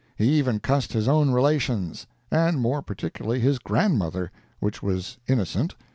He even cussed his own relations, and more particularly his grandmother, which was innocent.